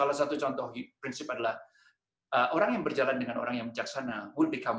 salah satu contoh prinsip adalah orang yang berjalan dengan orang yang bijaksana